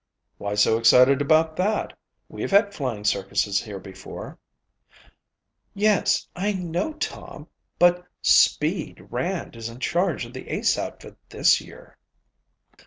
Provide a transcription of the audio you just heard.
"Why so excited about that? We've had flying circuses here before." "Yes, I know, Tom, but 'Speed' Rand is in charge of the Ace outfit this year."